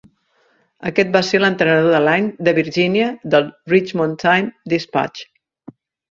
Aquest va ser l'Entrenador de l'Any de Virgínia del "Richmond Times-Dispatch".